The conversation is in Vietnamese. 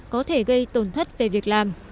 có thể gây tồn thất về việc làm